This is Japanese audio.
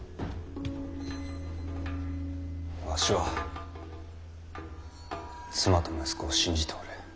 わしは妻と息子を信じておる。